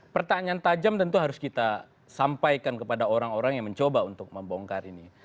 pertanyaan tajam tentu harus kita sampaikan kepada orang orang yang mencoba untuk membongkar ini